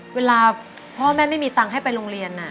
เวลาพ่อแม่ไม่มีตังค์ให้ไปโรงเรียน